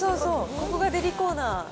ここがデリコーナー。